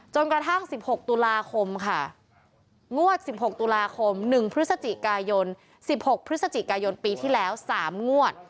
กระทั่ง๑๖ตุลาคมค่ะงวด๑๖ตุลาคม๑พฤศจิกายน๑๖พฤศจิกายนปีที่แล้ว๓งวด